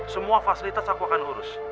semua fasilitas aku akan urus